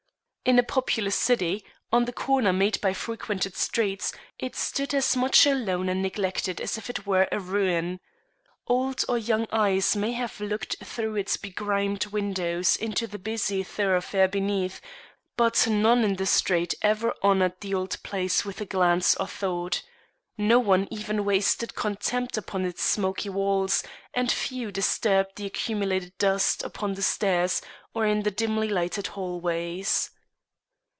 In a populous city, on the corner made by frequented streets, it stood as much alone and neglected as if it were a ruin. Old or young eyes may have looked through its begrimed windows into the busy thoroughfare beneath, but none in the street ever honored the old place with a glance or thought. No one even wasted contempt upon its smoky walls, and few disturbed the accumulated dust upon the stairs or in the dimly lighted hallways.